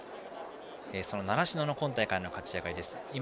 その習志野の今大会の勝ち上がりです。